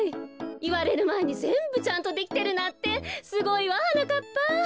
いわれるまえにぜんぶちゃんとできてるなんてすごいわはなかっぱ。